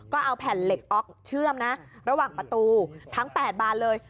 ก็เอาแผ่นเหล็กออกเชื่อมนะระหว่างประตูทั้ง๘บานเลย